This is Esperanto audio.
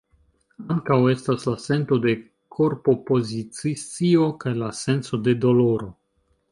Ankaŭ estas la sento de korpopozici-scio kaj la senco de doloro.